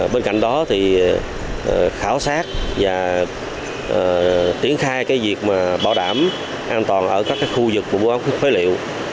bên cạnh đó thì khảo sát và tiến khai cái việc mà bảo đảm an toàn ở các khu vực của quán phế liệu